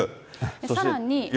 さらに。